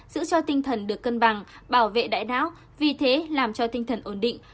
giữ cho tinh thần được cân bằng bảo vệ đại đáo vì thế làm cho tinh thần ổn định